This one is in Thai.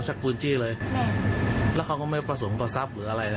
แล้วแซคปูนที่เลยแล้วเขาไม่ประสงค์ตัวซากไปกับอะไรอ่ะ